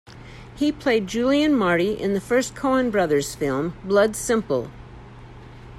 He played Julian Marty in the first Coen Brothers film, "Blood Simple".